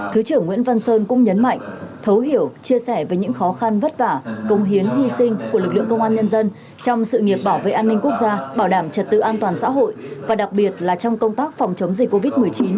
thứ trưởng nguyễn văn sơn cũng nhấn mạnh thấu hiểu chia sẻ về những khó khăn vất vả công hiến hy sinh của lực lượng công an nhân dân trong sự nghiệp bảo vệ an ninh quốc gia bảo đảm trật tự an toàn xã hội và đặc biệt là trong công tác phòng chống dịch covid một mươi chín